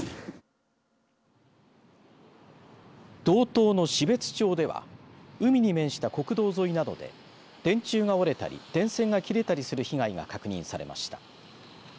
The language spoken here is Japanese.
道東の標津町では海に面した国道沿いなどで電柱が折れたり、電線が切れたりする被害が確認されました。